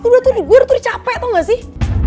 gue udah tuh di capek tau gak sih